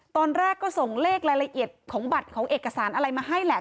ตอนแรกก็ส่งเลขรายละเอียดของบัตรของเอกสารอะไรมาให้แหละ